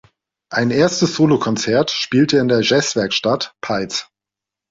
Ein erstes Solokonzert spielte er in der Jazzwerkstatt Peitz.